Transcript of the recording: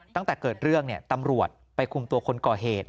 ตั้งแต่เกิดเรื่องตำรวจไปคุมตัวคนก่อเหตุ